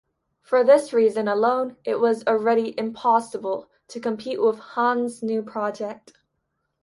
For this reason alone it was already impossible to compete with Hahn's new project.